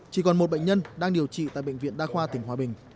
chỉ còn một bệnh nhân đang điều trị tại bệnh viện đa khoa tỉnh hòa bình